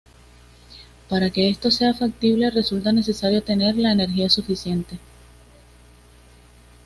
Para que esto sea factible, resulta necesario tener la energía suficiente.